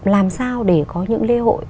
làm sao để có những lễ hội